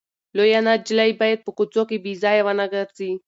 لويه نجلۍ باید په کوڅو کې بې ځایه ونه ګرځي.